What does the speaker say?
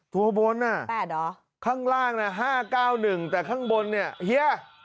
ตัวบนข้างล่างนะ๕๙๑แต่ข้างบนเนี่ยเฮีย